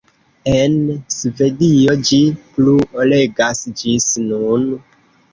En Svedio ĝi plu regas ĝis nun.